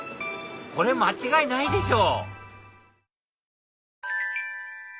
これ間違いないでしょ！